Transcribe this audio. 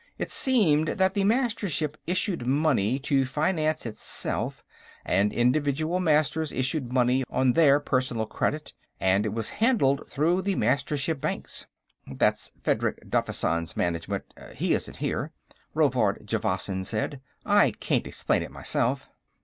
It seemed that the Mastership issued money to finance itself, and individual Masters issued money on their personal credit, and it was handled through the Mastership Banks. "That's Fedrig Daffysan's Management; he isn't here," Rovard Javasan said. "I can't explain it, myself."